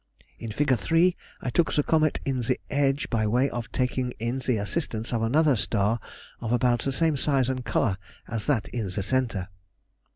In Fig. 3 I took the comet in the edge by way of taking in the assistance of another star of about the same size and colour as that in the centre.